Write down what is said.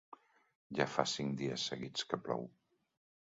Ja fa cinc dies seguits que plou.